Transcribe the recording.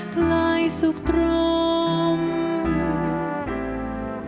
ใกล้สุขตรง